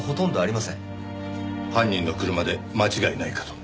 犯人の車で間違いないかと。